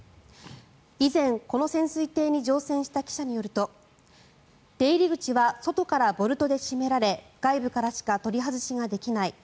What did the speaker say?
以前、この潜水艇に乗船した記者によると出入り口は外からボルトで閉められ外部からしか取り外しができない。